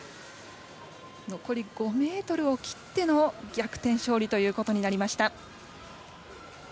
残り５ｍを切っての逆転勝利となりました。